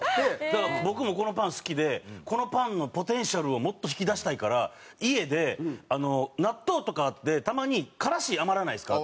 だから僕もこのパン好きでこのパンのポテンシャルをもっと引き出したいから家で納豆とかでたまにからし余らないですか？